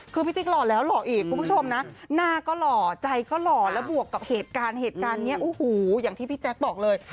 คือพี่ติ๊กหล่อแล้วหล่ออีกคุณผู้ชมนะหน้าก็หล่อใจก็หล่อแล้วบวกกับเหตุการณ์เหตุการณ์นี้โอ้โหอย่างที่พี่แจ๊คบอกเลย